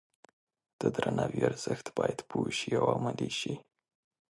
د درناوي ارزښت باید پوه شي او عملي شي.